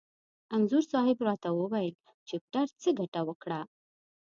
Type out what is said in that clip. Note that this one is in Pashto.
انځور صاحب را ته وویل: چپټر څه ګټه وکړه؟